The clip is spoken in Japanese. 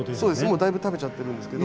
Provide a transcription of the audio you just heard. もうだいぶ食べちゃってるんですけど。